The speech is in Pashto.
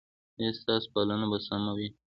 ایا ستاسو پالنه به سمه وي؟